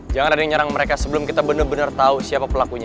jangan ada yang nyerang mereka sebelum kita bener bener tau siapa pelakunya